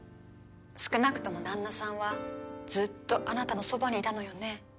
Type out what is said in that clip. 少なくとも旦那さんはずっとあなたのそばにいたのよね。